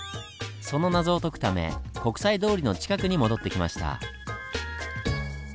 その謎を解くため国際通りの近くに戻ってきました。